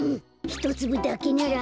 ひとつぶだけなら。